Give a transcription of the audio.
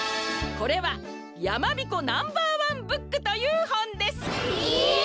これは「やまびこナンバーワンブック」というほんです！え！？